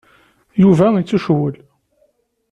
Yuba yettucewwel.